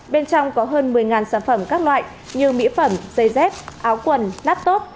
bên trong có hơn một mươi sản phẩm các loại như mỹ phẩm dây dép áo quần nát tốt